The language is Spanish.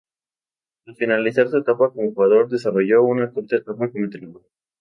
Tras finalizar su etapa como jugador, desarrolló una corta etapa como entrenador.